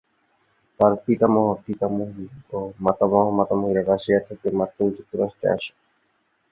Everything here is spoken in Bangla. তার পিতামহ-পিতামহী ও মাতামহ-মাতামহীরা রাশিয়া থেকে মার্কিন যুক্তরাষ্ট্রে আসেন।